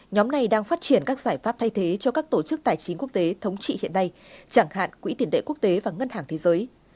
nhóm này đang phát triển các giải pháp thay thế cho các tổ chức tài chính quốc tế thống trị hiện nay chẳng hạn quỹ tiền tệ quốc tế và ngân hàng thế giới